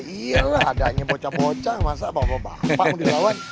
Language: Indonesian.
iyalah ada aja bocah bocah masa bapak mau dilawan